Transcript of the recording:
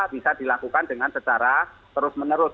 bisa dilakukan dengan secara terus menerus